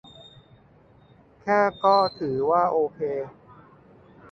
แค่ก็ถือว่าโอเค